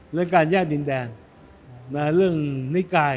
เรื่องการแยกดินแดนเรื่องนิกาย